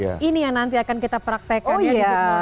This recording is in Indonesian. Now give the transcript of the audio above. jadi ini yang nanti akan kita praktekan ya di good morning hari ini